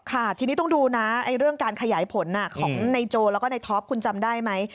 ค่ะทีนี้ต้องดูนะเรื่องการขยายผลของในโจแล้วก็ในท็อปคุณจำได้ไหม